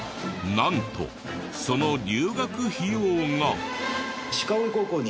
なんとその留学費用が。